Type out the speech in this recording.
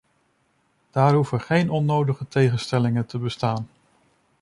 Daar hoeven geen onnodige tegenstellingen te bestaan.